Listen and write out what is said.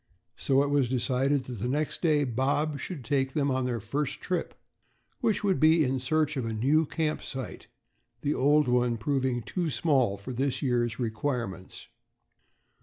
So it was decided that the next day Bob should take them on their first trip, which would be in search of a new camp site, the old one proving too small for this year's requirements.